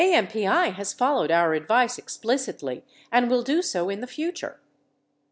AMPI has followed our advice explicitly and will do so in the future.